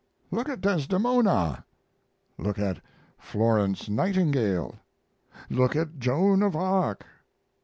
Look at Desdemona! Look at Florence Nightingale! Look at Joan of Arc!